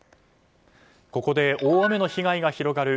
ここで大雨の被害が広がる